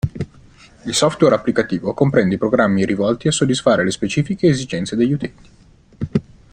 Il software applicativo comprende i programmi rivolti a soddisfare le specifiche esigenze degli utenti.